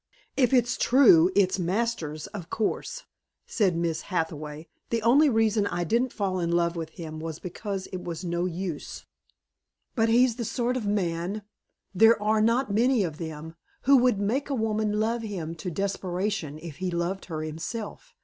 "If it's true, it's Masters, of course," said Miss Hathaway. "The only reason I didn't fall in love with him was because it was no use. But he's the sort of man there are not many of them! who would make a woman love him to desperation if he loved her himself.